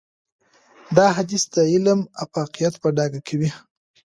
دا حديث د علم افاقيت په ډاګه کوي.